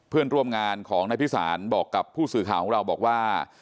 เพื่อนร่วมงานของนายพิสารบอกกับผู้สื่อข่าวของเราบอกว่า